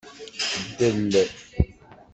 Del.